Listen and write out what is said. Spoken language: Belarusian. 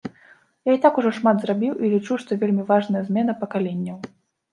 Я і так ужо шмат зрабіў і лічу, што вельмі важная змена пакаленняў.